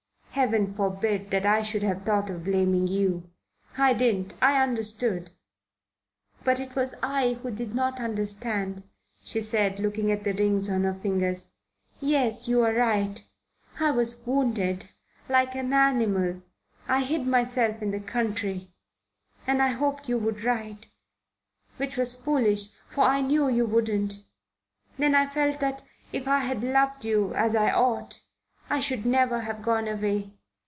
Heaven forbid that I should have thought of blaming you. I didn't. I understood." "But it was I who did not understand," she said, looking at the rings on her fingers. "Yes. You are right. I was wounded like an animal, I hid myself in the country, and I hoped you would write, which was foolish, for I knew you wouldn't. Then I felt that if I had loved you as I ought, I should never have gone away."